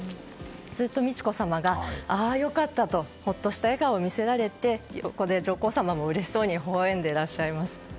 すると美智子さまがああ、良かった！とほっとした笑顔を見せられて横で上皇さまも、うれしそうにほほ笑んでいらっしゃいます。